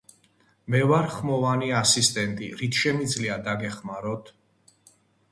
მე ვარ ხმოვანი ასისტენტი, რით შემიძლია დაგეხმაროთ.